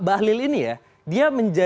bahlil ini ya dia